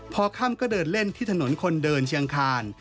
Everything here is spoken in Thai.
พอค่ำก็เดินเล่นที่ถนนคนเดินเชียงคาน